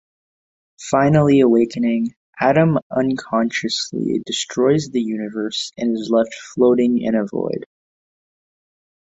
Finally awakening, Adam unconsciously destroys the universe and is left floating in a void.